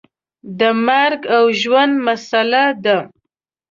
د مرګ او ژوند مسله ده.